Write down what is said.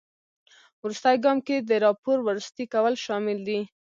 وروستي ګام کې د راپور وروستي کول شامل دي.